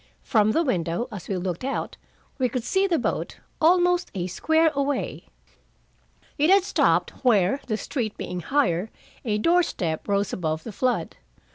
From the window, as we looked out, we could see the boat, almost a square away. It had stopped where, the street being higher, a door step rose above the flood.